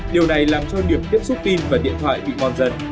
điều này làm cho điểm tiếp xúc pin và điện thoại bị mòn dần